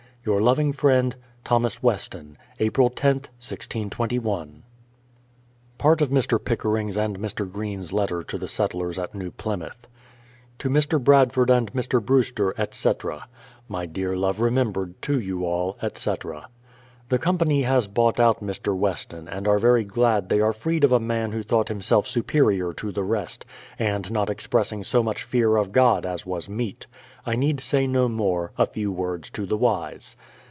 Your loving friend, 'April loth, 1621. THOS. WESTON, 102 BRADFORD'S HISTORY OF Part of Mr. Pickering's and Mr. Greene's letter to the Settlers at New Plymouth: To Mr. Bradford and Mr. Brewster, etc. My dear love remembered to you all, etc. The company has bought out Mr. Weston, and are very glad they are freed of a man who thought himself superior to the rest, and not expressing so much fear of God as was meet. I need say no more: a few words to the wise.